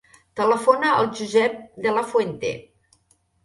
Telefona al Josep De La Fuente.